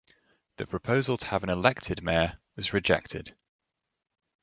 The proposal to have an elected Mayor was rejected.